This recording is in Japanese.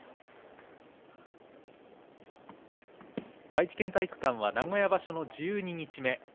愛知県体育館は名古屋場所の十二日目。